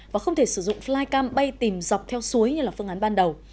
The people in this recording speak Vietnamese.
và không thể sử dụng flycam bay tìm dọc theo suối như là phương án ban đầu